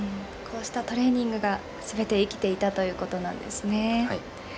こうしたトレーニングがすべて生きていたということなんですね。